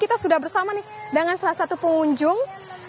kita sudah bersama nih dengan salah satu pengunjung